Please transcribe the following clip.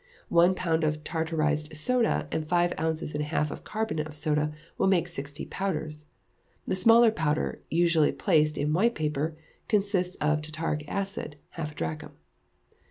One pound of tartarized soda, and five ounces and a half of carbonate of soda, will make sixty powders. The smaller powder, usually placed in white paper, consists of tartaric acid, half a drachm.